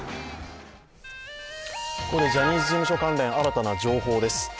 ここでジャニーズ事務所関連、新たな情報です。